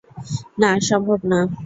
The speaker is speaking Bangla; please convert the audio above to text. না, সম্ভব না!